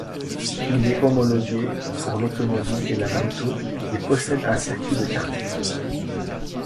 Il est homologué pour l'automobile et la moto et possède un circuit de karting.